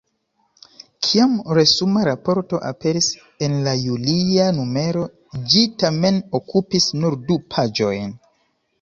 Kiam resuma raporto aperis en la julia numero, ĝi tamen okupis nur du paĝojn.